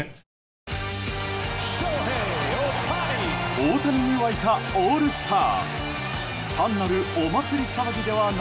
大谷に沸いたオールスター。